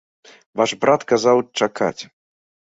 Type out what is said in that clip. Ваш брат казаў чакаць.